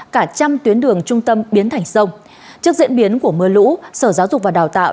cả trăm tuyến đường trung tâm biến thành sông trước diễn biến của mưa lũ sở giáo dục và đào tạo